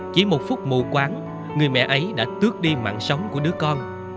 chỉ một phút mù quán người mẹ ấy đã tước đi mạng sống của đứa con